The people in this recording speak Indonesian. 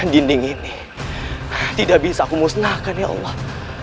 dinding ini tidak bisa aku musnahkan ya allah